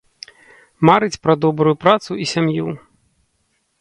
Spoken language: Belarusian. Марыць пра добрую працу і сям'ю.